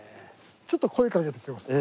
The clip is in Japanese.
ちょっと声かけてきますね。